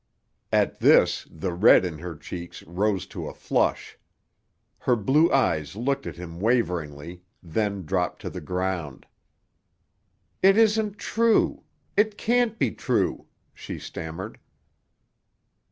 At this the red in her cheeks rose to a flush. Her blue eyes looked at him waveringly, then dropped to the ground. "It isn't true! It can't be true!" she stammered.